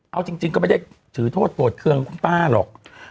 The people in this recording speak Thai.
เอาจริงก็ไม่ได้ถือโทษโกรธเครื่องคุณป้าหรอก